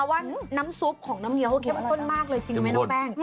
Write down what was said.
ว่าน้ำซุปของน้ำเงี้ยเขาเข้มข้นมากเลยจริงไหมน้องแป้ง